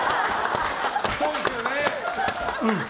そうですよね。